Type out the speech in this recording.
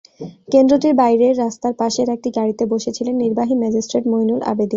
কেন্দ্রটির বাইরে রাস্তার পাশের একটি গাড়িতে বসে ছিলেন নির্বাহী ম্যাজিস্ট্রেট মঈনুল আবেদীন।